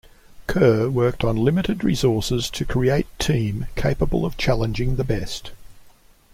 Kerr worked on limited resources to create team capable of challenging the best.